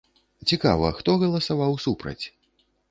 Цікава, хто галасаваў супраць?